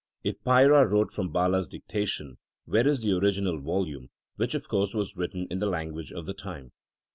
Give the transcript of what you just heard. If Paira wrote from Bala s dictation, where is the original volume, w r hich of course was written in the language of the time